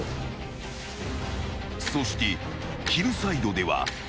［そしてヒルサイドでは］